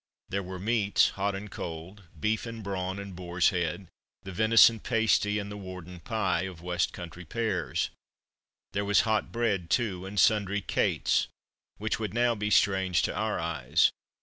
There were meats, hot and cold; beef and brawn, and boar's head, the venison pasty, and the Wardon Pie of west country pears. There was hot bread, too, and sundry 'cates' which would now be strange to our eyes.